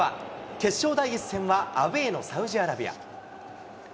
決勝第１戦はアウエーのサウジアラビア。